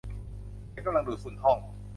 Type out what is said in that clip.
ฉันกำลังดูดฝุ่นห้อง